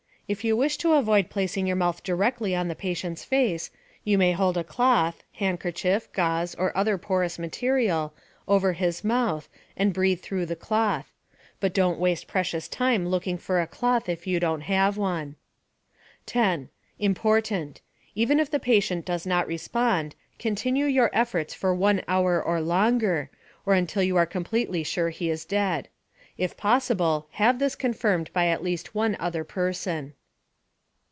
If you wish to avoid placing your mouth directly on the patient's face, you may hold a cloth (handkerchief, gauze or other porous material) over his mouth and breathe through the cloth. But don't waste precious time looking for a cloth if you don't have one. 10. Important: Even if the patient does not respond, continue your efforts for 1 hour or longer, or until you are completely sure he is dead. If possible, have this confirmed by at least one other person.